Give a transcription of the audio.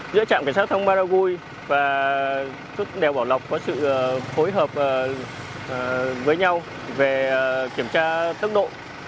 giữa trạm cảnh sát giao thông madagui và đèo bảo lộc có sự phối hợp với nhau về kiểm tra tốc độ